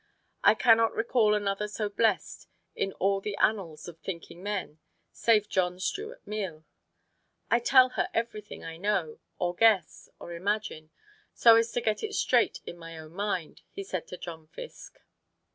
I can not recall another so blest, in all the annals of thinking men, save John Stuart Mill. "I tell her everything I know, or guess, or imagine, so as to get it straight in my own mind," he said to John Fiske.